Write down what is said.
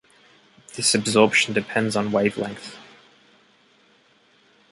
This absorption depends on wavelength.